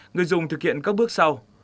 người dùng thực hiện các bước sau